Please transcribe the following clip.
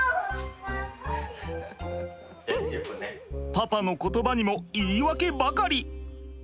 パパの言葉にも言い訳ばかり。